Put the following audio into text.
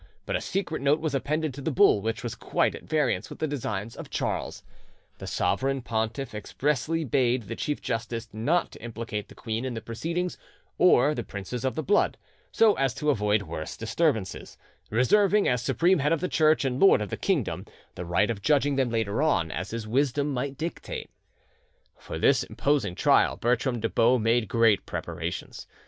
But a secret note was appended to the bull which was quite at variance with the designs of Charles: the sovereign pontiff expressly bade the chief justice not to implicate the queen in the proceedings or the princes of the blood, so as to avoid worse disturbances, reserving, as supreme head of the Church and lord of the kingdom, the right of judging them later on, as his wisdom might dictate. For this imposing trial Bertram de Baux made great preparations.